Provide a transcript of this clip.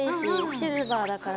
シルバーだから。